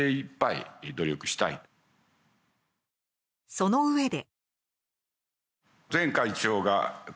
そのうえで。